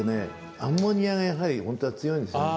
アンモニアが、やはり本当は強いんですよ。